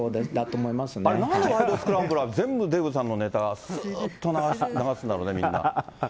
なんでワイドスクランブルは全部、デーブさんのネタ、すーっと流すんだろうね、みんな。